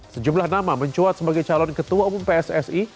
sejumlah nama mencuat sebagai calon ketua umum pssi